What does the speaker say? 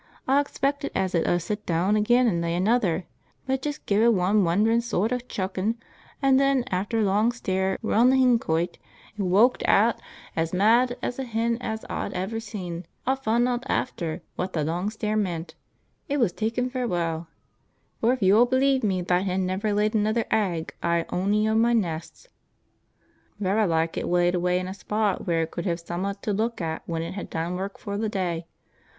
Aw expected as it 'ud sit deawn ageean an' lay another. "But it just gi'e one wonderin' sooart o' chuck, an then, after a long stare reawnd th' hen coyt, it woked eawt, as mad a hen as aw've ever sin. Aw fun' eawt after, what th' long stare meant. It were tekkin' farewell! For if yo'll believe me that hen never laid another egg i' ony o' my nests. "Varra like it laid away in a spot wheear it could hev summat to luk at when it hed done wark for th' day.